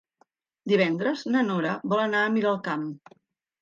Divendres na Nora vol anar a Miralcamp.